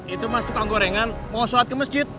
itu mas tukang gorengan mau sholat ke masjid